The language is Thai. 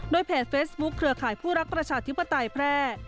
เพจเฟซบุ๊คเครือข่ายผู้รักประชาธิปไตยแพร่